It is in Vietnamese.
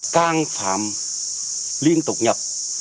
căng phạm liên tục nhập